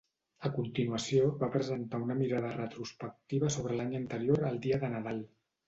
A continuació, va presentar una mirada retrospectiva sobre l'any anterior el dia de Nadal.